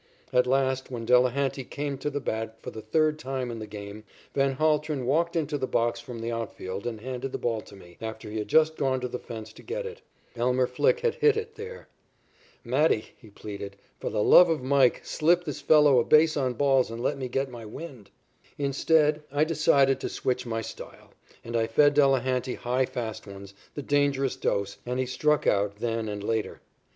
At last, when Delehanty came to the bat for the third time in the game, Van Haltren walked into the box from the outfield and handed the ball to me, after he had just gone to the fence to get it. Elmer Flick had hit it there. "Matty," he pleaded, "for the love of Mike, slip this fellow a base on balls and let me get my wind." Instead I decided to switch my style, and I fed Delehanty high fast ones, the dangerous dose, and he struck out then and later.